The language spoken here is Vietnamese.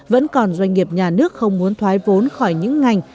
vẫn còn doanh nghiệp nhà nước không muốn thoái vốn khỏi những ngành